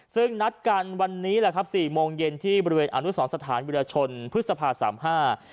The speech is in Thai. ซึ่งนัดการณ์วันนี้๔โมงเย็นที่บริเวณอนุสรสถานวิทยาชนพฤษภาสามห้า